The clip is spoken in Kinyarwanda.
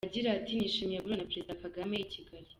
Agira ati "Nishimiye guhura na Perezida Kagame i Kigali.